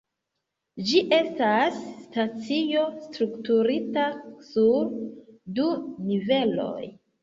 Ĝi estas stacio strukturita sur du niveloj.